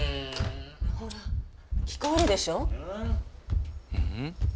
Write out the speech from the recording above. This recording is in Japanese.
ほら聞こえるでしょ？